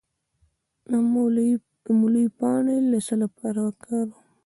د مولی پاڼې د څه لپاره وکاروم؟